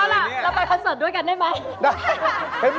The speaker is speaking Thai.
เอาล่ะเราไปคอนเสิร์ตด้วยกันได้ไหม